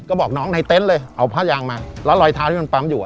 ก็บอกน้องในเต็นต์เลยเอาผ้ายางมาแล้วรอยเท้าที่มันปั๊มอยู่